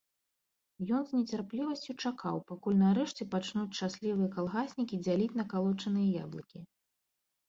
Ён з нецярплівасцю чакаў, пакуль нарэшце пачнуць шчаслівыя калгаснікі дзяліць накалочаныя яблыкі.